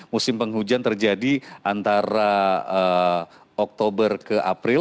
musim penghujan terjadi antara oktober ke april